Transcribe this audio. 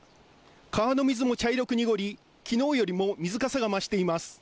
川の水も茶色く濁り、昨日よりも水かさが増しています。